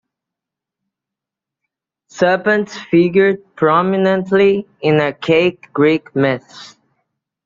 Serpents figured prominently in archaic Greek myths.